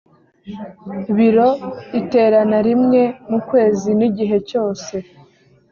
biro iterana rimwe mu kwezi n igihe cyose